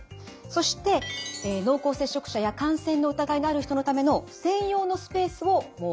そして濃厚接触者や感染の疑いのある人のための専用のスペースを設ける。